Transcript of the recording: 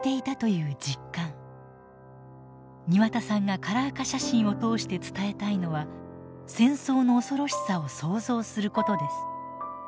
庭田さんがカラー化写真を通して伝えたいのは戦争の恐ろしさを想像することです。